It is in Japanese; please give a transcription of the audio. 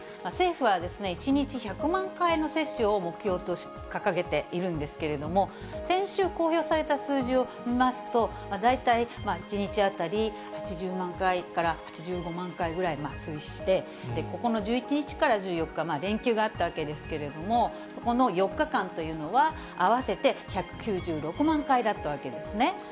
政府は１日１００万回の接種を目標に掲げているんですけれども、先週公表された数字を見ますと、大体、１日当たり８０万回から８５万回ぐらい接種して、この１１日から１４日、連休があったわけですけれども、この４日間というのは、合わせて１９６万回だったわけですね。